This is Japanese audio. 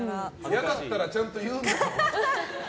嫌だったらちゃんと言うんだよ。